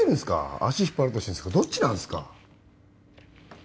足引っ張りたいんですかどっちなんですか？